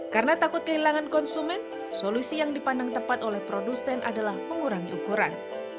karena takut kehilangan konsumen solusi yang dipandang tepat oleh produsen adalah mengurangi ukuran